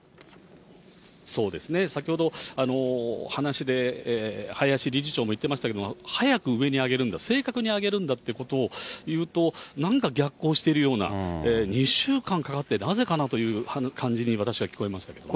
そうですね、先ほど、話で林理事長も言ってましたけども、早く上に上げるんだ、正確に上げるんだっていうことをなんか逆行しているような、２週間かかって、なぜかなという感じに、私は聞こえましたね。